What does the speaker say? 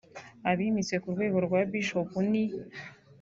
Abimitswe ku rwego rwa Bishop ni